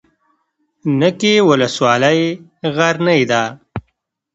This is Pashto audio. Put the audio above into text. نکې ولسوالۍ غرنۍ ده؟